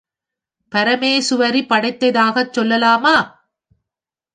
பரமேசுவரி படைத்ததாகச் சொல்லலாமா?